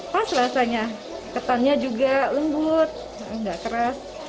pas rasanya ketannya juga lembut nggak keras